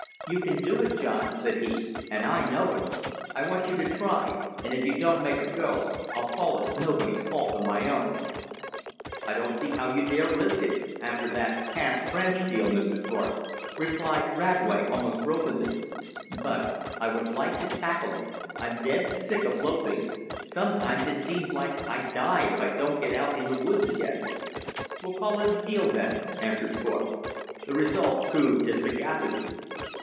"You can do it, John," said he, "and I know it. I want you to try; and if you don't make her go, I'll call it nobody's fault but my own." "I don't see how you dare risk it, after that Cass Branch deal, Mr. Thorpe," replied Radway, almost brokenly. "But I would like to tackle it, I'm dead sick of loafing. Sometimes it seems like I'd die, if I don't get out in the woods again." "We'll call it a deal, then," answered Thorpe. The result proved his sagacity.